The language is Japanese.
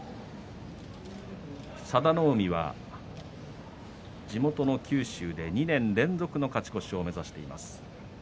佐田の海は地元の九州で２年連続の勝ち越しを目指しています。